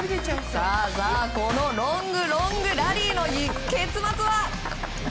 このロングロングラリーの結末は。